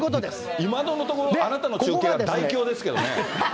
今のところあなたの中継は大凶ですけどね。